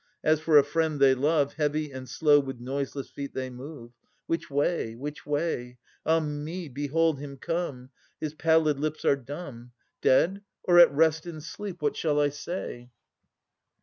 As for a friend they love Heavy and slow with noiseless feet they move. Which way? which way? Ah me! behold him come. His pallid lips are dumb. Dead, or at rest in sleep? What shall I say?